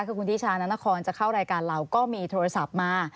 คือคุณธิชานานครจะเข้ารายการเราก็มีโทรศัพท์มา